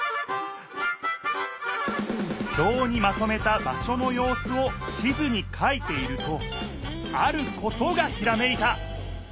ひょうにまとめた場所のようすを地図にかいているとあることがひらめいた！